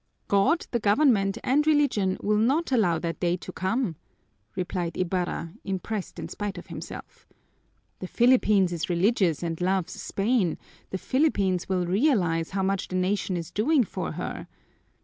"God, the government, and Religion will not allow that day to come!" replied Ibarra, impressed in spite of himself. "The Philippines is religious and loves Spain, the Philippines will realize how much the nation is doing for her.